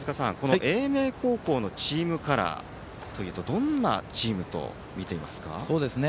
ですから、英明高校のチームカラーというとどんなチームと見ていますか？